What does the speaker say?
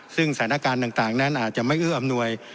ซึ่งสถานการณ์ต่างนั้นอาจจะไม่เอื้ออำนวย